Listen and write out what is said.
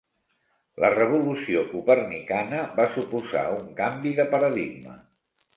La revolució copernicana va suposar un canvi de paradigma.